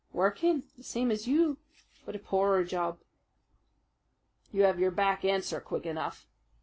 "Working, the same as you but a poorer job." "You have your back answer quick enough."